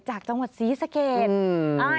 จากจังหวัดศรีสเกต